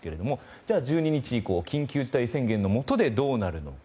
では、１２日以降緊急事態宣言のもとでどうなるのか。